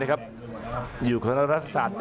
อัศวินาศาสตร์